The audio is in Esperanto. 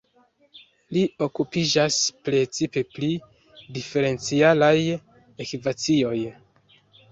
Li okupiĝas precipe pri diferencialaj ekvacioj.